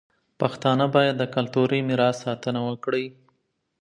پښتانه باید د کلتوري میراث ساتنه وکړي.